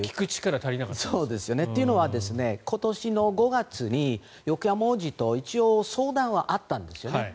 というのは今年の５月にヨアキム王子と一応相談はあったんですよね。